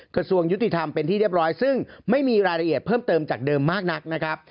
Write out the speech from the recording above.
กระทรวงยุติธรรมเป็นที่เรียบร้อยซึ่งไม่มีรายละเอียดเพิ่มเติมจากเดิมมากนักนะครับ